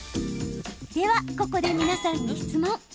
では、ここで皆さんに質問。